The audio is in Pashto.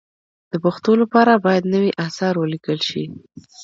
د پښتو لپاره باید نوي اثار ولیکل شي.